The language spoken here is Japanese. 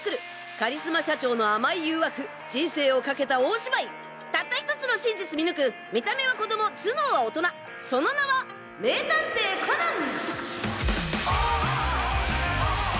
カリスマ社長の甘い誘惑人生を賭けた大芝居たった１つの真実見抜く見た目は子供頭脳は大人その名は名探偵コナン！